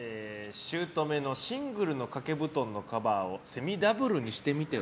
姑のシングルの掛け布団のカバーをセミダブルにしてみては？